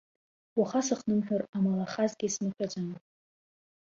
Уаха сыхнымҳәыр амалахазгьы смаҭәаӡам.